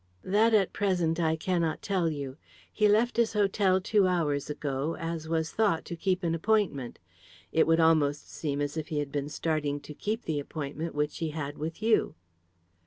"That at present I cannot tell you. He left his hotel two hours ago, as was thought, to keep an appointment; it would almost seem as if he had been starting to keep the appointment which he had with you."